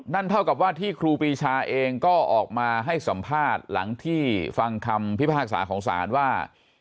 เท่ากับว่าที่ครูปรีชาเองก็ออกมาให้สัมภาษณ์หลังที่ฟังคำพิพากษาของศาลว่า